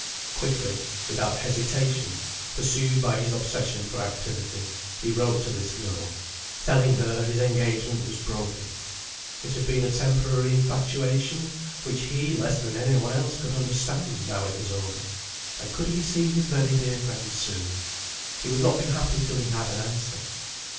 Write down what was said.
Quickly, without hesitation, pursued by his obsession for activity, he wrote to this girl, telling her his engagement was broken—it had been a temporary infatuation which he less than any one else could understand now it was over—and could he see his very dear friend soon? He would not be happy till he had an answer.